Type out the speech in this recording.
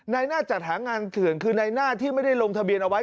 ในหน้าจัดหางานเถื่อนคือในหน้าที่ไม่ได้ลงทะเบียนเอาไว้